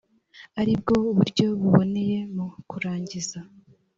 ari bwo buryo buboneye mu kurangiza